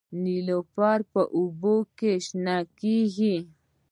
نیلوفر په اوبو کې شنه کیږي